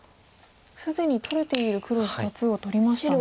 既に取れている黒２つを取りましたね。